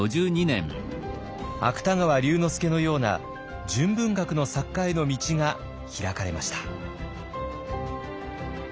芥川龍之介のような純文学の作家への道が開かれました。